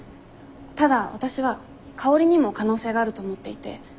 ただわたしは香りにも可能性があると思っていて。